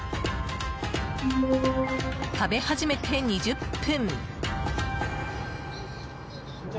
食べ始めて２０分。